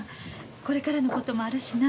これからのこともあるしな。